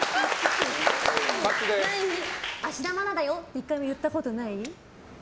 芦田愛菜だよって１回も言ったことない？